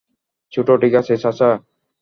ছোটি ঠিক আছে, চাচা?